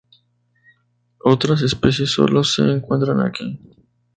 Otras especies solo se encuentran aquí.